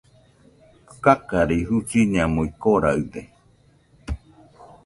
Kakarei, Jusiñamui koraɨde